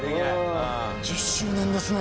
１０周年ですね。